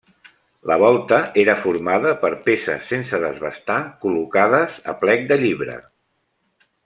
La volta era formada, per peces sense desbastar, col·locades a plec de llibre.